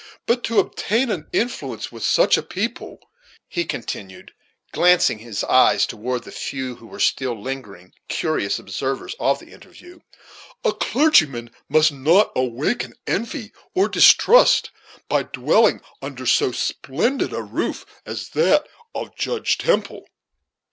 But to obtain an influence with such a people," he continued, glancing his eyes toward the few who were still lingering, curious observers of the interview, "a clergyman most not awaken envy or distrust by dwelling under so splendid a roof as that of Judge Temple."